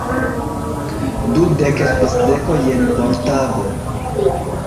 Dudek spesdekojn por tago!